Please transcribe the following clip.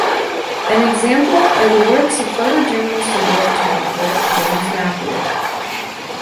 An example are the works of photojournalist and war photographer James Nachtwey.